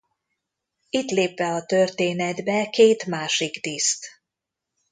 Itt lép be a történetbe két másik tiszt.